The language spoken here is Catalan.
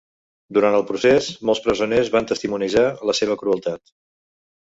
Durant el procés, molts presoners van testimoniejar la seva crueltat.